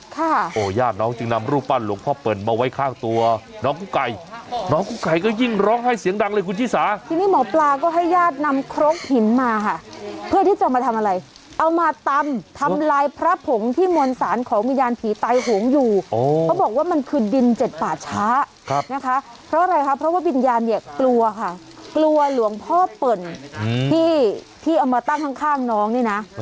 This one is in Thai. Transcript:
เพราะอะไรคะเพราะว่าวิญญาณเนี่ยกลัวค่ะกลัวหลวงพ่อเปิ่ลที่ที่เอามาตั้งข้างน้องนี่นะ